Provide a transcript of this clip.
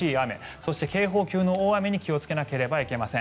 そして警報級の大雨に気をつけなければいけません。